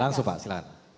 langsung pak silahkan